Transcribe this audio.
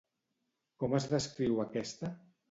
Com es descriu aquesta?